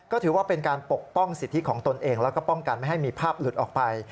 ก็ถือว่าเป็นการปกป้องสิทธิของตนเองแล้วก็ป้องกันไม่ให้มีภาพหลุดออกไป